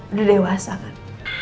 udah dewasa kan